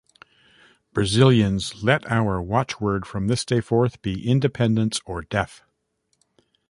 Brazilians, let our watchword from this day forth be 'Independence or Death!